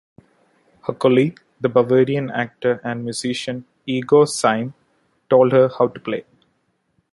Her colleague, the Bavarian actor and musician Igo Sym told her how to play.